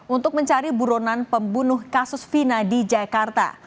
untuk mencari buronan pembunuh kasus fina di jakarta